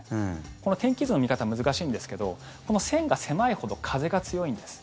この天気図の見方難しいんですけどこの線が狭いほど風が強いんです。